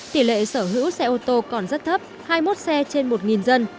tỷ lệ sở hữu xe ô tô còn rất thấp hai mươi một xe trên một dân